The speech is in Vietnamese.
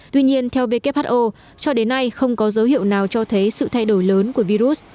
tuy nhiên theo who cho đến nay không có dấu hiệu nào cho thấy sự thay đổi lớn của virus